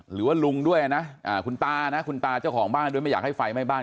หรือว่าลุงด้วยนะคุณตานะคุณตาเจ้าของบ้านด้วยไม่อยากให้ไฟไหม้บ้าน